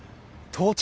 到着。